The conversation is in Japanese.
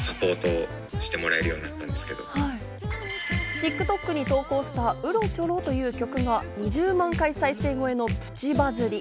ＴｉｋＴｏｋに投稿した『うろちょろ』という曲が２０万回再生超えのプチバズリ。